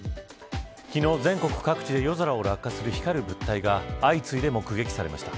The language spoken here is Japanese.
昨日、全国各地で夜空を落下する光る物体が相次いで目撃されました。